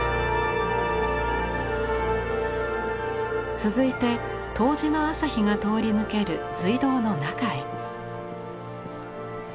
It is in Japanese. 続いて冬至の朝日が通り抜ける隧道の中へ。